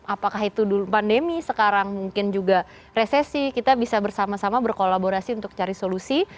apakah itu dulu pandemi sekarang mungkin juga resesi kita bisa bersama sama berkolaborasi untuk cari solusi